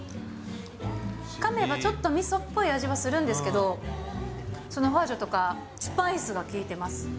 かめばちょっとみそっぽい味はするんですけど、そのホワジャオとかスパイスが効いてます。